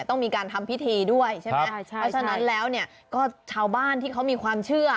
ต้องมีการทำพิธีด้วยใช่ไหมเพราะฉะนั้นแล้วเนี่ยก็ชาวบ้านที่เขามีความเชื่อ